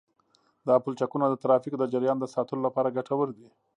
دا پلچکونه د ترافیکو د جریان د ساتلو لپاره ګټور دي